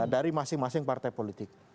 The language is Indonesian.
dari masing masing partai politik